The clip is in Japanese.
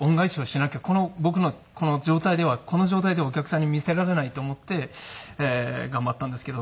この僕の状態ではこの状態ではお客さんに見せられないと思って頑張ったんですけど。